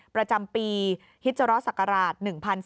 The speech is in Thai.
ประจำปีฮิจรศักราช๑๔